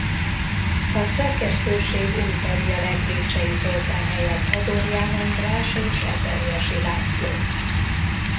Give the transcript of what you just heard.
A szerkesztőség új tagja lett Vécsey Zoltán helyett Adorján András és Eperjesi László.